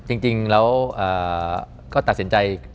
จริงแล้วก็ตัดสินใจ